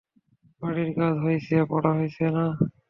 বাড়ির কাজ হইসে, পড়া হইসে না।